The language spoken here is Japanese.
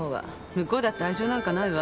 向こうだって愛情なんかないわ。